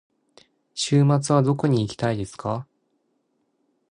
週末はどこに行きたいですか。